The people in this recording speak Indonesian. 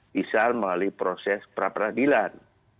bisa melalui proses peradilan